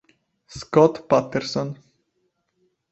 Scott Patterson